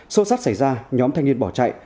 sâu sắc xảy ra nhóm thanh niên bỏ chạy